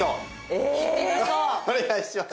お願いします。